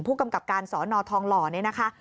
ผู้กำกับการสอนอทองหล่อเนี่ยนะคะ